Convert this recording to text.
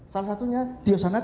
salah satunya tyosyanat